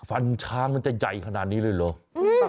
ฟันช้างมันจะใหญ่ขนาดนี้เลยเหรอ